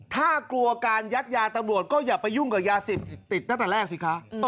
ถ้ากลัวการยัดยาตรวจก็อย่าปอยุ่งกับยาเสพตัดต่อแลกซิคะ